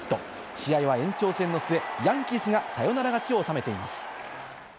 試合は延長戦の末、ヤンキースがサヨナラ勝ちを収めています。